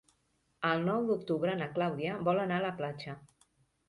El nou d'octubre na Clàudia vol anar a la platja.